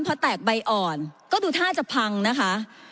พอแตกใบอ่อนก็ดูท่าจะพังนะคะ